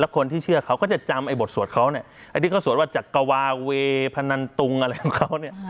คนที่เชื่อเขาก็จะจำไอ้บทสวดเขาเนี่ยไอ้ที่เขาสวดว่าจักรวาเวพนันตุงอะไรของเขาเนี่ย